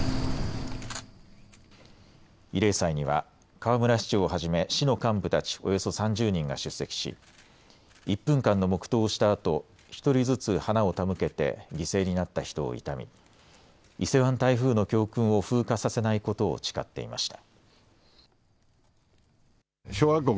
慰霊祭には河村市長をはじめ市の幹部たちおよそ３０人が出席し１分間の黙とうをしたあと１人ずつ花を手向けて犠牲になった人を悼み、伊勢湾台風の教訓を風化させないことを誓っていました。